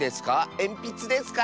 えんぴつですか？